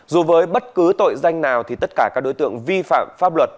dù với bất cứ tội danh nào thì tất cả các đối tượng vi phạm pháp luật